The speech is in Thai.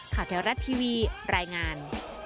ข่าวเทวรัฐทีวีรายงาน